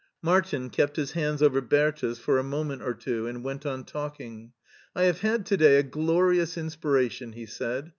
Martin kept his hands over Bertha's for a moment or two, and went on talking. " I have had to day a glorious inspiration," he said.